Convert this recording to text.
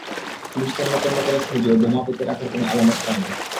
Police তন্ন তন্ন করে খুঁজেও বোমা পেতে রাখার কোনো আলামত পায়নি।